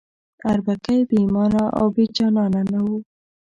اربکی بې ایمانه او بې جانانه نه وو.